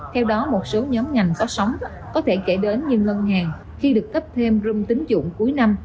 theo đó một số nhóm ngành có sống có thể kể đến như lân hàng khi được cấp thêm rung tín dụng cuối năm